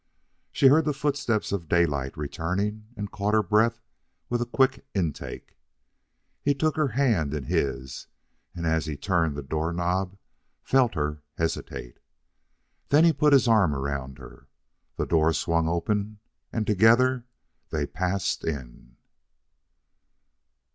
She heard the footsteps of Daylight returning, and caught her breath with a quick intake. He took her hand in his, and, as he turned the door knob, felt her hesitate. Then he put his arm around her; the door swung open, and together they passed in.